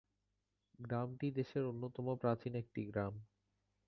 গ্রামটি দেশের অন্যতম প্রাচীন একটি গ্রাম।